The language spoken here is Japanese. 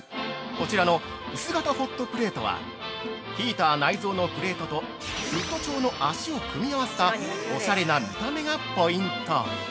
こちらの「薄型ホットプレート」はヒーター内蔵のプレートと、ウッド調の脚を組み合わせたおしゃれな見た目がポイント！